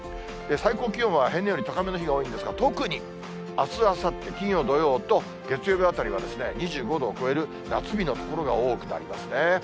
最高気温は平年より高めの日が多いんですが、特にあす、あさって、金曜、土曜と月曜日あたりは２５度を超える夏日の所が多くなりますね。